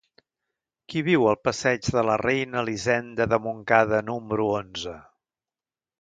Qui viu al passeig de la Reina Elisenda de Montcada número onze?